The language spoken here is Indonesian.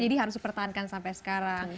jadi harus dipertahankan sampai sekarang